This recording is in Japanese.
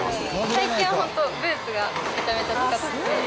最近は本当、ブーツがめちゃめちゃ。